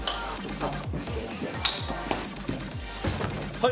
はい！